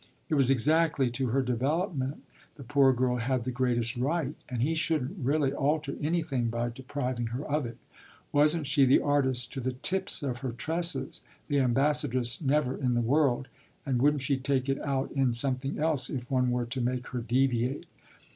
It was exactly to her development the poor girl had the greatest right, and he shouldn't really alter anything by depriving her of it. Wasn't she the artist to the tips of her tresses the ambassadress never in the world and wouldn't she take it out in something else if one were to make her deviate?